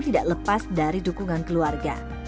tidak lepas dari dukungan keluarga